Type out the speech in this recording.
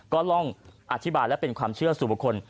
ก็ลองอธิบายและเป็นความเชื่อสู่บุคคล